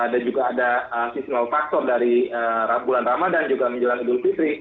dan juga ada seasonal factor dari bulan ramadhan juga menjelang idul fitri